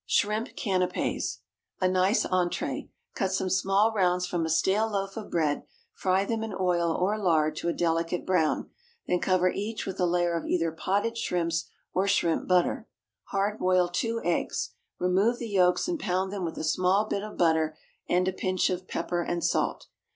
=Shrimp Canapés.= A nice entrée. Cut some small rounds from a stale loaf of bread, fry them in oil or lard to a delicate brown, then cover each with a layer of either potted shrimps or shrimp butter. Hard boil two eggs. Remove the yolks, and pound them with a small bit of butter and a pinch of pepper and salt.